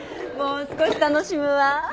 もう少し楽しむわ。